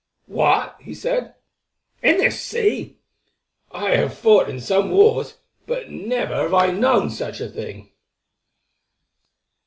"What!" he said. "In this sea? I have fought in some wars, but never have I known such a thing."